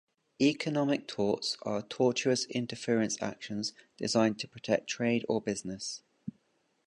Economic torts are tortious interference actions designed to protect trade or business.